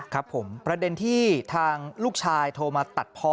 ครับผมประเด็นที่ทางลูกชายโทรมาตัดพ่อ